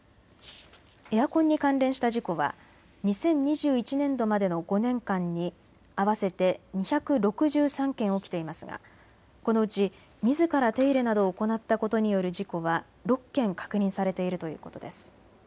エアコンに関連した事故は２０２１年度までの５年間に合わせて２６３件起きていますがこのうちみずから手入れなどを行ったことによる事故は６件確認されているということです。